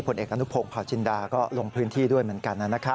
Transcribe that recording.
ผลเอกอนุพงศ์เผาจินดาก็ลงพื้นที่ด้วยเหมือนกันนะครับ